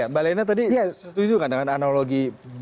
mbak lena tadi setuju nggak dengan analogi